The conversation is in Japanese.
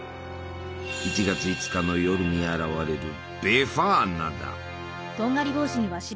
１月５日の夜に現れるベファーナだ！